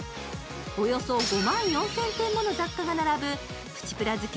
およそ５万４０００点もの雑貨が並ぶプチプラ好き